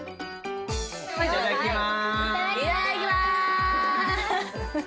いただきます！